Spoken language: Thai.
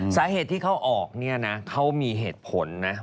สาเหตุที่เขาออกเนี่ยนะเขามีเหตุผลนะ